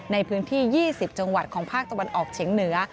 ในพื้นที่๒๐จังหวัดของภาคตะวันออกเฉียงเหนือ